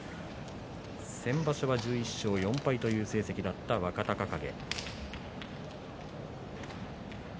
先場所は１１勝４敗という成績だった若隆景。